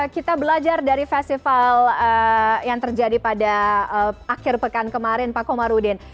kita belajar dari festival yang terjadi pada akhir pekan kemarin pak komarudin